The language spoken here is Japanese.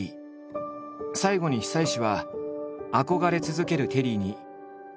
最後に久石は憧れ続けるテリーにこう問いかけた。